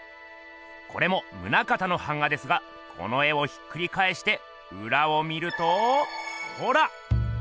これも棟方の版画ですがこの絵をひっくりかえしてうらを見るとほら！